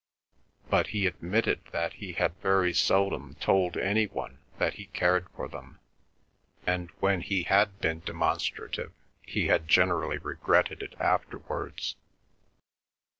But he admitted that he had very seldom told any one that he cared for them, and when he had been demonstrative, he had generally regretted it afterwards.